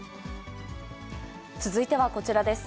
続いてはこちらです。